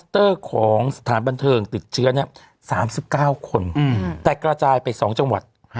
แตกกระจายไปสองจังหวัด